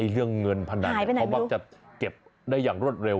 เรื่องเงินพนันเขามักจะเก็บได้อย่างรวดเร็ว